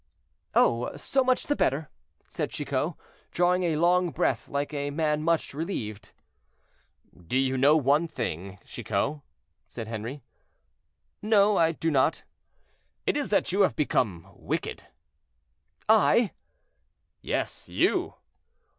"Oh! so much the better," said Chicot, drawing a long breath like a man much relieved. "Do you know one thing, Chicot?" said Henri. "No, I do not." "It is that you have become wicked." "I?" "Yes, you."